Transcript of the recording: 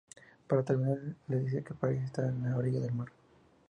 Para terminar, les dice que París está a la orilla del mar.